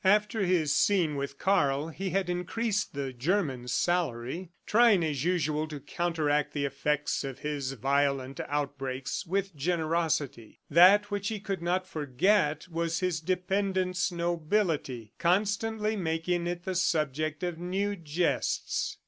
After his scene with Karl, he had increased the German's salary, trying as usual, to counteract the effects of his violent outbreaks with generosity. That which he could not forget was his dependent's nobility, constantly making it the subject of new jests.